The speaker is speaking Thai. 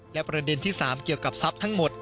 และประเด็นที่๓เกี่ยวกับทรัพย์ทั้งหมด